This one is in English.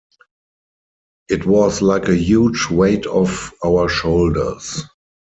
It was like a huge weight off our shoulders.